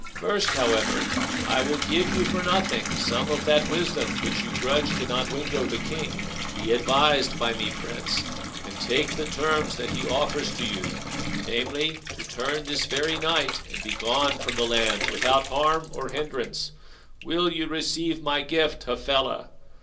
First, however, I will give you for nothing some of that wisdom which you grudge to Nodwengo the king. Be advised by me, Prince, and take the terms that he offers to you namely, to turn this very night and begone from the land without harm or hindrance. Will you receive my gift, Hafela?"